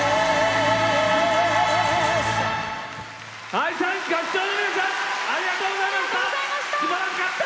ＡＩさん、合唱の皆さんありがとうございました。